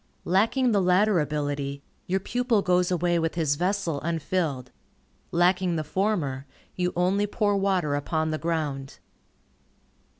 Lacking the latter ability, your pupil goes away with his vessel unfilled. Lacking the former, you only pour water upon the ground.